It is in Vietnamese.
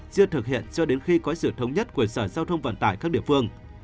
chưa thực hiện cho đến khi có sự thống nhất của sở giao thông vận tải các địa phương